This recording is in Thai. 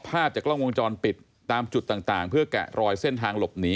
ภาพจากกล้องวงจรปิดตามจุดต่างเพื่อแกะรอยเส้นทางหลบหนี